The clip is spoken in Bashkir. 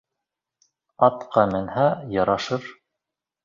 Атҡа менһә ярашыр.